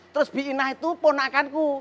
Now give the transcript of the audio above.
terus bikinah itu pun akanku